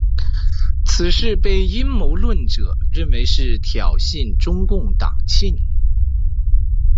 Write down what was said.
此事被阴谋论者认为是挑衅中共党庆。